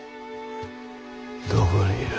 どこにいる？